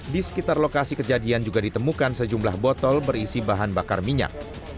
di sekitar lokasi kejadian juga ditemukan sejumlah botol berisi bahan bakar minyak